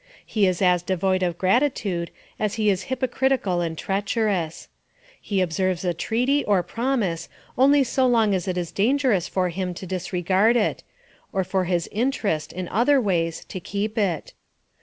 He is as devoid of gratitude as he is hypocritical and treacherous. He observes a treaty, or promise, only so long as it is dangerous for him to disregard it, or for his interest, in other ways, to keep it.